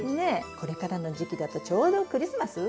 これからの時期だとちょうどクリスマス。